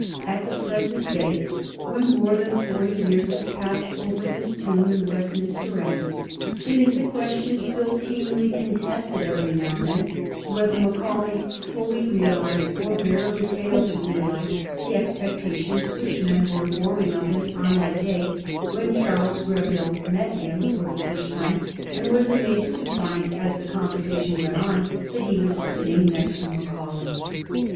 At the present day, when more than forty years have passed over his tomb in Westminster Abbey, it is a question still keenly contested every now and then, whether Macaulay fully realized or barely failed to realize the expectations which men were forming of him on that day when Charles Greville met him for the first time, and was amazed to find, as the conversation went on, that he was sitting next to Macaulay.